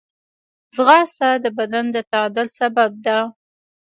ځغاسته د بدن د تعادل سبب ده